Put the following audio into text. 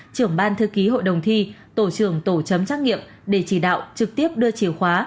trưởng ban thư ký hội đồng thi tổ trưởng tổ chấm trắc nghiệm để chỉ đạo trực tiếp đưa chìa khóa